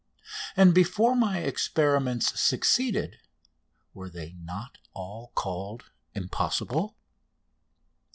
And before my experiments succeeded, were they not all called impossible?